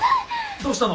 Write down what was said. どうしたの？